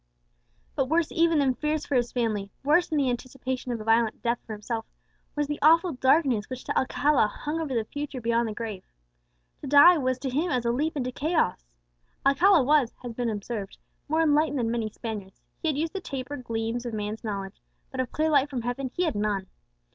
But worse even than fears for his family, worse than the anticipation of a violent death for himself, was the awful darkness which to Alcala hung over the future beyond the grave! To die was to him as a leap into chaos! Alcala was, as has been observed, more enlightened than many Spaniards: he had used the taper gleams of man's knowledge; but of clear light from Heaven he had none.